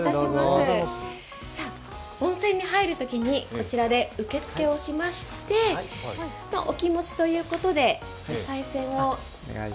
温泉に入るときに、こちらで受け付けをしましてお気持ちということでおさい銭を。